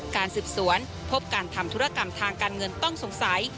การสืบสวนพบการทำธุรกรรมทางการเงินต้องสงสัย